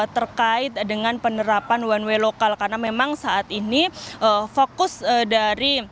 terkait dengan penerapan one way lokal karena memang saat ini fokus dari